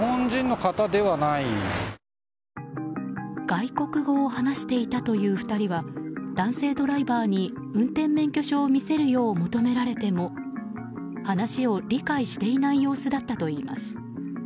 外国語を話していたという２人は男性ドライバーに運転免許証を見せるよう求められても話を理解していない様子だったといいます。